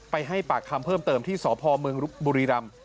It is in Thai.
ให้ปากคำเพิ่มเติมที่สพเมืองบุรีรำ